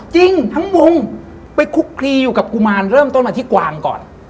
จริงทั้งวงไปคุกคลีอยู่กับกุมารเริ่มต้นมาที่กวางก่อน